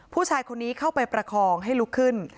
ผู้ชายคนนี้เข้าไปประคองให้ลุกขึ้น